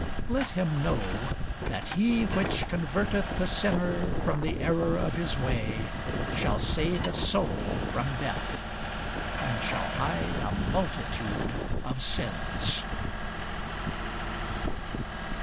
Let him know, that he which converteth the sinner from the error of his way shall save a soul from death, and shall hide a multitude of sins.